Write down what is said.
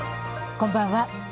こんばんは。